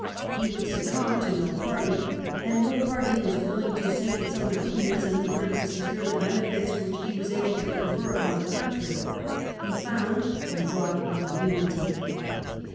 He would succumb to no party, and no party was willing to sink its own opinions in order to secure the benefits which he was able to confer upon the country. He found and brought no unity.